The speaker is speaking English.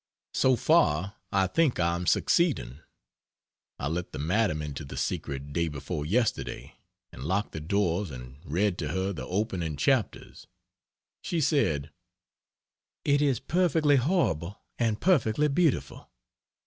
So far, I think I am succeeding. I let the madam into the secret day before yesterday, and locked the doors and read to her the opening chapters. She said "It is perfectly horrible and perfectly beautiful!"